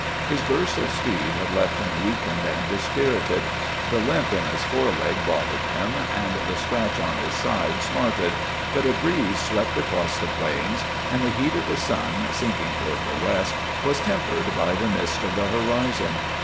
His burst of speed had left him weakened and dispirited. The limp in his foreleg bothered him and the scratch on his side smarted, but a breeze swept across the Plains and the heat of the sun, sinking toward the west, was tempered by the mist of the horizon.